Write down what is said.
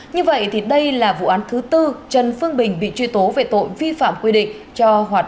như vậy thì đây là vụ án thứ bốn trần phương bình bị truy tố về tội vi phạm quy định